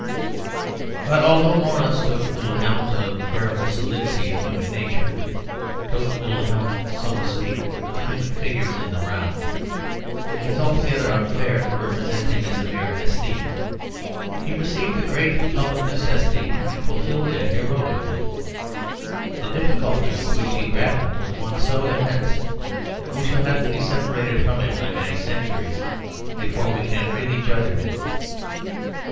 But although Morris took little account of the terrible solidity of human nature took little account, so to speak, of human figures in the round, it is altogether unfair to represent him as a mere æsthete. He perceived a great public necessity and fulfilled it heroically. The difficulty with which he grappled was one so immense that we shall have to be separated from it by many centuries before we can really judge of it.